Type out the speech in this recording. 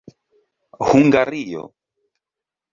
hungario